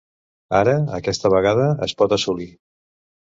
Ara, aquesta vegada, es pot assolir.